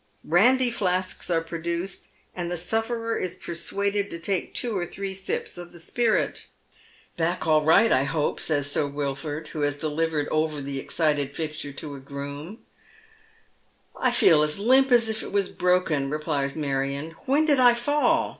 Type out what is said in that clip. Brandy flasks are produced, and the sufferer is persuaded to take two or three sips of the spirit. " Back all right, I hope," says Sir "Wilford, who has delivered over the excited Fixture to a groom. _" I feel as limp as if it was broken," replies IMarion. " When did I fall